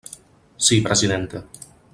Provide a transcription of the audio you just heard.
Sí, presidenta.